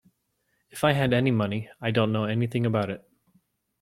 If I had any money, I don't know anything about it.